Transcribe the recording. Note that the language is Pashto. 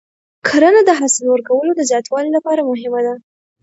کرنه د حاصل ورکولو د زیاتوالي لپاره مهمه ده.